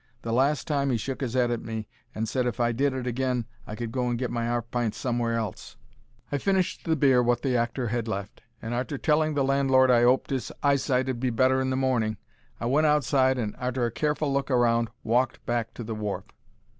The last time he shook his 'ead at me, and said if I did it agin I could go and get my 'arf pints somewhere else. I finished the beer wot the actor 'ad left, and, arter telling the landlord I 'oped his eyesight 'ud be better in the morning, I went outside, and arter a careful look round walked back to the wharf.